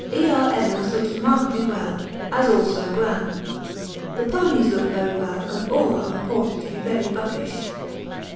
E.R. Evans looks remarkably well, as also Gran. The ponies look very well and all are reported to be very buckish.